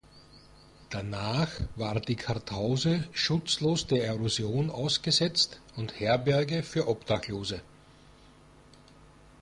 Danach war die Kartause schutzlos der Erosion ausgesetzt und Herberge für Obdachlose.